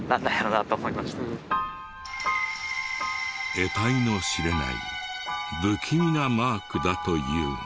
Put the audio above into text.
得体の知れない不気味なマークだというが。